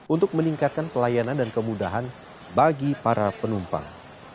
untuk meningkatkan pelayanan dan kemudahan bagi para penumpang